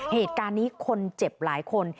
เหตุการณ์นี้คนเจ็บหลายคน